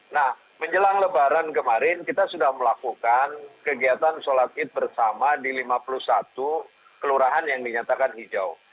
nah menjelang lebaran kemarin kita sudah melakukan kegiatan sholat id bersama di lima puluh satu kelurahan yang dinyatakan hijau